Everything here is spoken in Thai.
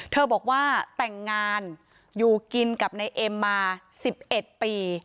เธอบอกว่าแต่งงานอยู่กินกับนายเอ็มมา๑๑ปี